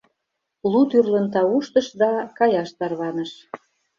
Лу тӱрлын тауштыш да каяш тарваныш.